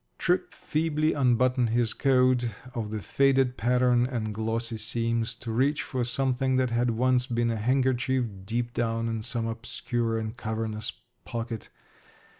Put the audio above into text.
Tripp feebly unbuttoned his coat of the faded pattern and glossy seams to reach for something that had once been a handkerchief deep down in some obscure and cavernous pocket.